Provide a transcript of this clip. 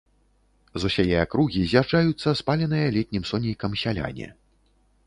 З усяе акругі з'язджаюцца спаленыя летнім сонейкам сяляне.